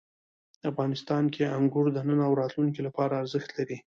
افغانستان کې انګور د نن او راتلونکي لپاره ارزښت لري.